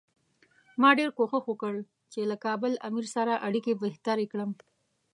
ما ډېر کوښښ وکړ چې له کابل امیر سره اړیکې بهترې کړم.